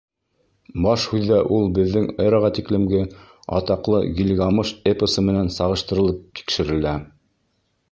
Баш һүҙҙә ул беҙҙең эраға тиклемге атаҡлы «Гильгамеш» эпосы менән сағыштырылып тикшерелә.